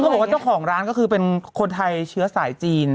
บอกว่าเจ้าของร้านก็คือเป็นคนไทยเชื้อสายจีน